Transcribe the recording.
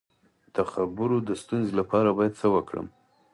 د خبرو د ستونزې لپاره باید څه وکړم؟